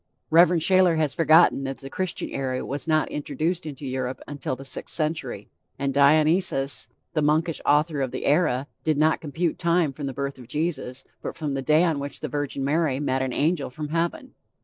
Rev. Shayler has forgotten that the Christian era was not introduced into Europe until the sixth century, and Dionysius, the monkish author of the era, did not compute time from the birth of Jesus, but from the day on which the Virgin Mary met an angel from heaven.